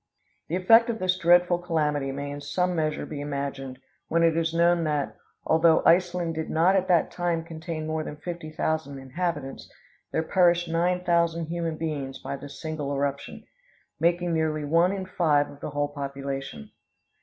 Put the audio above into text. "The effect of this dreadful calamity may in some measure be imagined when it is known that, although Iceland did not at that time contain more than fifty thousand inhabitants, there perished nine thousand human beings by this single eruption, making nearly one in five of the whole population.